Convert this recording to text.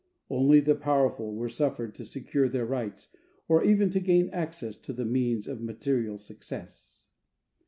Only the powerful were suffered to secure their rights or even to gain access to the means of material success.